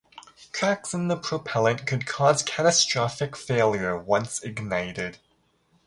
Cracks in the propellant could cause catastrophic failure once ignited.